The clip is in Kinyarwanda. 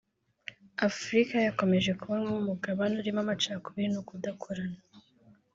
Afurika yakomeje kubonwa nk’umugabane urimo amacakubiri no kudakorana